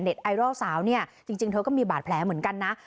ไอดอลสาวเนี่ยจริงเธอก็มีบาดแผลเหมือนกันนะ